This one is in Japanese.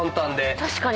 確かに。